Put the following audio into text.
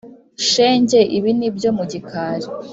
shenge ibi n’ibyo mu gikari